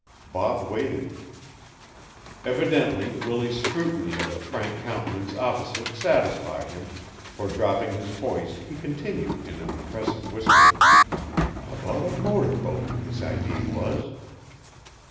Bob waited. Evidently Willie's scrutiny of the frank countenance opposite satisfied him, for dropping his voice he continued in an impressive whisper: "About a motor boat, this idee was."